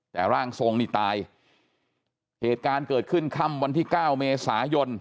แต่ร่างทรงนี่ตายเหตุการณ์เกิดขึ้นค่ำวันที่เก้าเมษายน